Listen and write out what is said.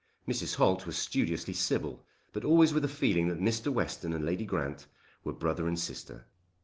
Mrs. Holt was studiously civil, but always with a feeling that Mr. Western and Lady Grant were brother and sister.